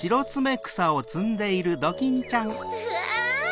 うわ！